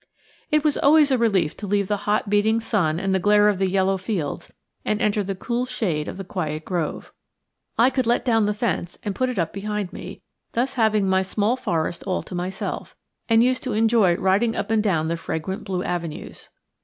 It was always a relief to leave the hot beating sun and the glare of the yellow fields and enter the cool shade of the quiet grove. I could let down the fence and put it up behind me; thus having my small forest all to myself; and used to enjoy riding up and down the fragrant blue avenues.